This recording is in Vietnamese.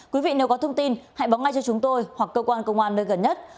quý vị nếu có thông tin hãy báo ngay cho chúng tôi hoặc cơ quan công an nơi gần nhất